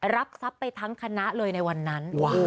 รับสับไปทั้งคณะเลยในวันนั้นว่ะ